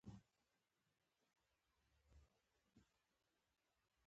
ورزش د روغتیا لپاره اړین ده